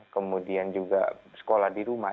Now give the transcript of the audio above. kemudian juga sekolah di rumah